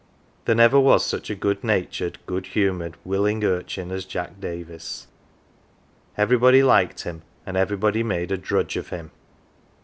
There never was such a good natured, good humoured, "willing'" urchin as Jack Davis everybody liked him and every body made a drudge of him.